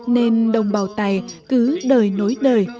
nên đồng bào tài cứ đời nối đời